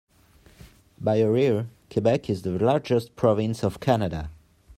By area, Quebec is the largest province of Canada.